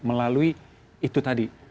melalui itu tadi